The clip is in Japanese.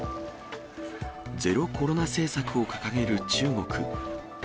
ゼロコロナ政策を掲げる中国。